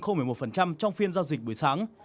topic giảm bốn trong phiên giao dịch buổi sáng